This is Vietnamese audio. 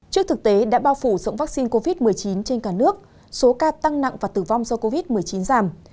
trước thực tế đã bao phủ rộng vaccine covid một mươi chín trên cả nước số ca tăng nặng và tử vong do covid một mươi chín giảm